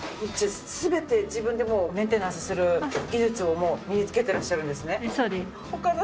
じゃあ全て自分でもうメンテナンスする技術を身につけてらっしゃるんですね。